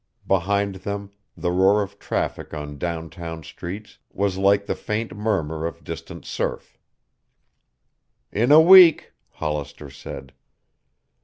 Behind them the roar of traffic on downtown streets was like the faint murmur of distant surf. "In a week," Hollister said.